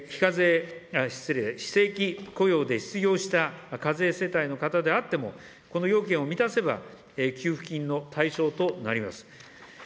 非正規雇用で失業した課税世帯の方であっても、この要件を満たせば、給付金の対象となります。